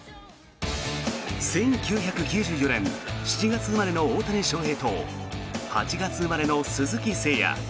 １９９４年７月生まれの大谷翔平と８月生まれの鈴木誠也。